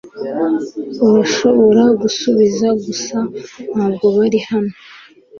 Urashobora gusubiza gusa Ntabwo bari hano